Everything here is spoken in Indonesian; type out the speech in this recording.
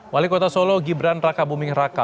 wali kota solo gibran raka buming raka